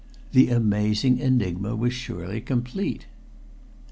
The amazing enigma was surely complete!